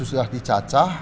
ini sudah dicacah